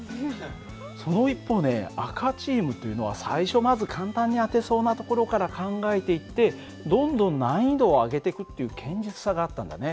その一方ね赤チームというのは最初まず簡単に当てそうなところから考えていってどんどん難易度を上げてくっていう堅実さがあったんだね。